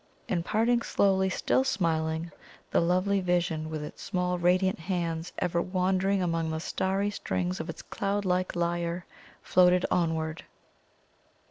And parting slowly, still smiling, the lovely vision, with its small radiant hands ever wandering among the starry strings of its cloud like lyre, floated onward.